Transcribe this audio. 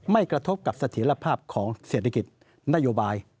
กระทบกับเสถียรภาพของเศรษฐกิจนโยบาย